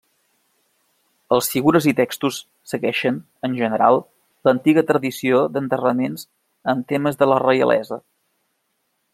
Els figures i textos segueixen, en general, l'antiga tradició d'enterraments, amb temes de la reialesa.